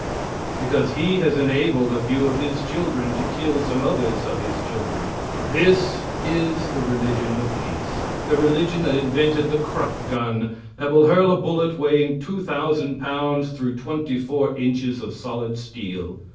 Because He has enabled a few of His children to kill some others of His children. This is the religion of peace the religion that invented the Krupp gun, that will hurl a bullet weighing 2,000 pounds through twenty four inches of solid steel.